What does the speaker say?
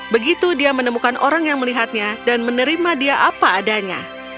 begitu dia menemukan orang yang melihatnya dan menerima dia apa adanya